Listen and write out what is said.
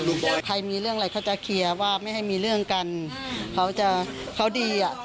ใครมีเรื่องอะไรเขาจะเคลียร์ว่าไม่ให้มีเรื่องกันเขาจะเขาดีอ่ะ